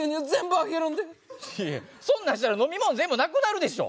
いやそんなんしたら飲み物全部なくなるでしょ！